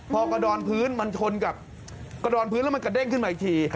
พอกระดอนพื้นมันชนกับกระดอนพื้นแล้วมันกระเด้งขึ้นมาอีกที